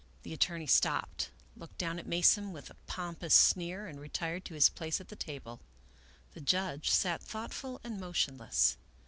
The attorney stopped, looked down at Mason with a pom pous sneer, and retired to his place at the table. The judge sat thoughtful and motionless.